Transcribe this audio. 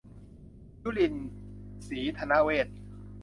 ยุลิน ศรีธนะเวทย์